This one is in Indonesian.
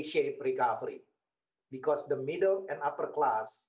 dan mereka lebih suka